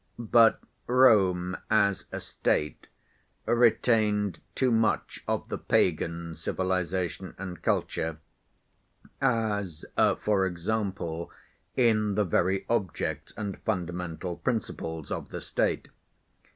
But Rome as a State retained too much of the pagan civilization and culture, as, for example, in the very objects and fundamental principles of the State.